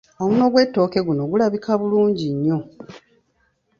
Omunwe gw’ettooke guno gulabika bulungi nnyo.